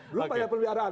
belum banyak peliharaan